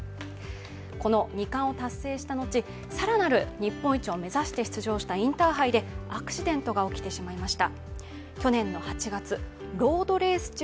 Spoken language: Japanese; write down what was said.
この２冠を達成した後、更なる日本一を目指して出場したインターハイで、アクシデントが起きてしまいました。